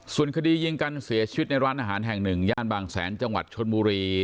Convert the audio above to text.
ส่วนคดียิงกันเสียชีวิตในร้านอาหารแห่งหนึ่งย่านบางแสนจังหวัดชนบุรี